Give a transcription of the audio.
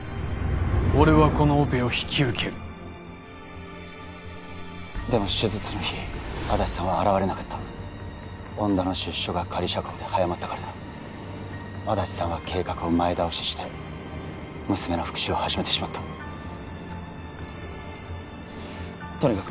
俺はこのオペを引き受けるでも手術の日安達さんは現れなかった恩田の出所が仮釈放で早まったからだ安達さんは計画を前倒しして娘の復讐を始めてしまったとにかく